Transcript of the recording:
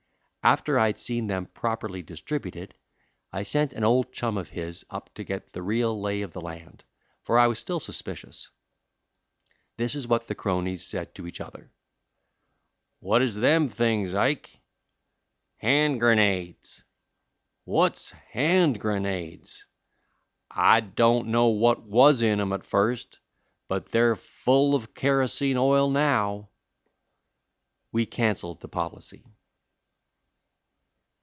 After I had seen them properly distributed, I sent an old chum of his up to get the real lay of the land, for I was still suspicious. This is what the cronies said to each other: "'What is them things, Ike?' "'Hand grenades.' "'What's hand grenades?' "'I don't know what was in 'em at first, but they're full of kerosene oil now.' "We canceled the policy."